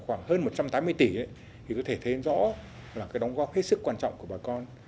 khoảng hơn một trăm tám mươi tỷ thì có thể thấy rõ là cái đóng góp hết sức quan trọng của bà con